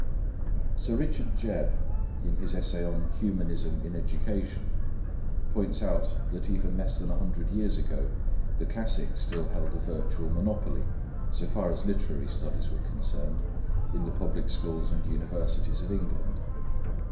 Sir Richard Jebb, in his essay on "Humanism in Education," points out that even less than a hundred years ago the classics still held a virtual monopoly, so far as literary studies were concerned, in the public schools and universities of England.